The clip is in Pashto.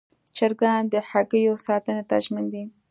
چرګان د هګیو ساتنې ته ژمن دي.